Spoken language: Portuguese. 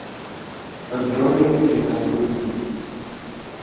Antônio Jonas Gondim